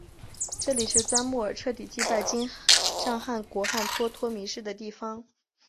这里是帖木儿彻底击败金帐汗国汗脱脱迷失的地方。